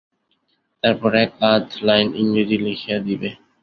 তারপর এক আধ লাইন ইংরেজী লিখিয়া দিবে।